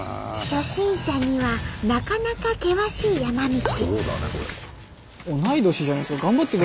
初心者にはなかなか険しい山道。